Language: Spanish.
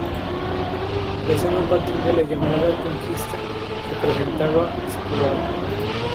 La zona a partir de la llamada Reconquista se presentaba despoblada.